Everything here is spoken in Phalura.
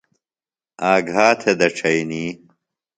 آگھا تھےۡ دڇھئنی۔